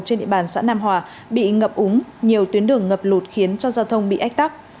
trên địa bàn xã nam hòa bị ngập úng nhiều tuyến đường ngập lụt khiến cho giao thông bị ách tắc